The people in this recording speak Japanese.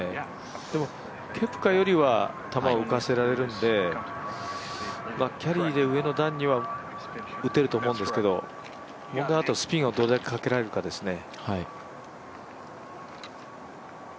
でも、ケプカよりは球を浮かせられるんでキャリーで上の段には打てると思うんですけど、問題はあとスピンをどれだけかけられるかですね。